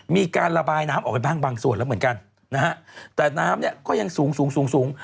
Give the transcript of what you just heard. มีการระบายน้ำออกไปบ้างบางส่วนแล้วเหมือนกันนะฮะแต่น้ำเนี่ยก็ยังสูงสูงสูง